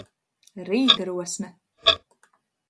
Rīta rosme!